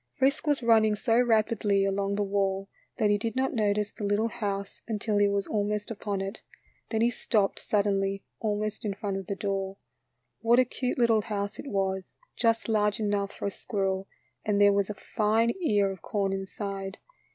Frisk was running so rapidly along the wall that he did not notice the little house until he was almost upon it. Then he stopped sud denly, almost in front of the door. What a cute little house it was, just large enough for a squirrel, and there was a fine ear of corn inside.